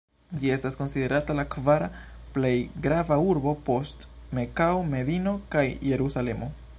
Ĝi estas konsiderata la kvara plej grava urbo post Mekao, Medino kaj "Jerusalemo".